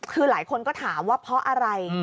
คือหลายคนก็ถามว่าเพราะอะไร